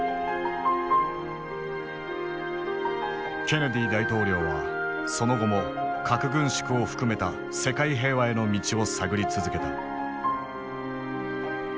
ケネディ大統領はその後も核軍縮を含めた世界平和への道を探り続けた。